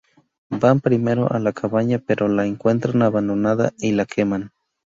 Van primero a la cabaña pero la encuentran abandonada y la queman.